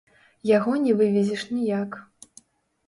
Яго не вывезеш ніяк.